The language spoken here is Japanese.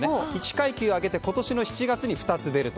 １階級上げて、今年の７月に２つベルト。